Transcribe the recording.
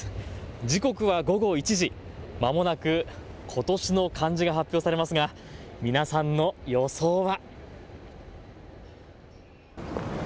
時刻は午後１時、まもなく今年の漢字が発表されますが皆さんの予想は。